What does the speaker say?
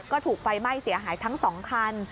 ก็ถูกไฟไหม้เสียหายทั้ง๒คัน